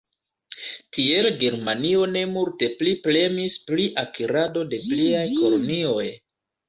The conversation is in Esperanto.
Tiel Germanio ne multe pli premis pri akirado de pliaj kolonioj.